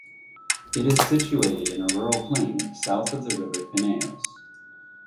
It is situated in a rural plain, south of the river Pineios.